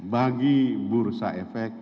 bagi bursa efek